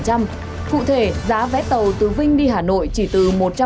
cụ thể giá vé tàu từ vinh đi hà nội chỉ từ một trăm bốn mươi bốn đồng một lượt